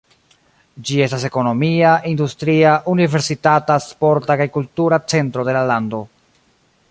Ĝi estas ekonomia, industria, universitata, sporta kaj kultura centro de la lando.